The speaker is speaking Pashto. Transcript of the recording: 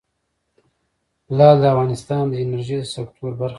لعل د افغانستان د انرژۍ سکتور برخه ده.